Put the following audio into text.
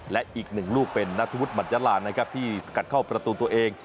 และอีกหนึ่งลูกเป็นนัทธวุฒิบัตรยาลานนะครับที่สกัดเข้าประตูตัวเอง